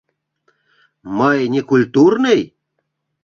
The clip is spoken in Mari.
Мый некультурный?!